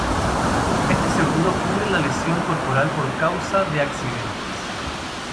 Este seguro cubre la lesión corporal por causa de accidentes.